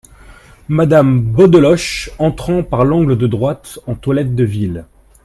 Madame Beaudeloche , entrant par l’angle de droite en toilette de ville.